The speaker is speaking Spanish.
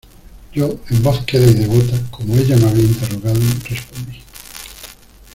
yo, en voz queda y devota , como ella me había interrogado , respondí: